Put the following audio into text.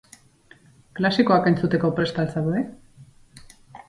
Klasikoak entzuteko prest al zaude?